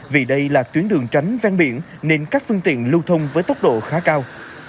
vì đây là tuyến đường tránh ven biển nên các phương tiện lưu thông với tốc độ khá cao